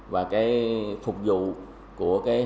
và phục vụ của hệ thống